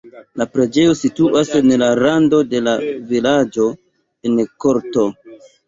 La preĝejo situas en rando de la vilaĝo en korto.